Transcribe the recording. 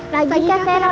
lagi kak tero